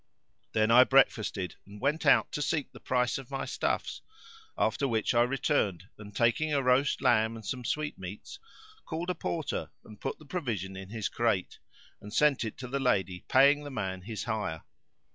Then I breakfasted and went out to seek the price of my stuffs; after which I returned, and taking a roast lamb and some sweetmeats, called a porter and put the provision in his crate, and sent it to the lady paying the man his hire.